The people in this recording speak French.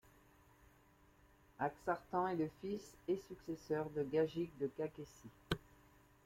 Aghsartan est le fils et successeur de Gagik de Kakhétie.